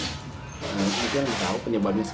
dan ini kan tahu penyebabnya